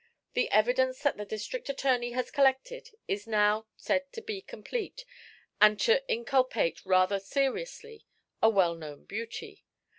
The evidence that the District Attorney has collected is now said to be complete and to inculpate rather seriously a well known beauty.